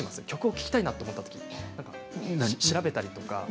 曲を聴きたいなと思ったとき調べたりとか？